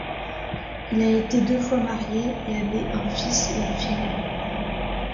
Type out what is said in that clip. Il a été deux fois marié et avait un fils et une fille.